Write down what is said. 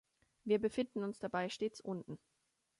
Wir befinden uns dabei stets unten.